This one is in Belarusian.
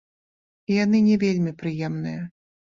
І яны не вельмі прыемныя.